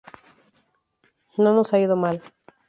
No nos ha ido mal.